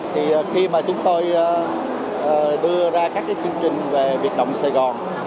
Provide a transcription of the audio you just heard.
thì khi mà chúng tôi đưa ra các cái chương trình về biệt động sài gòn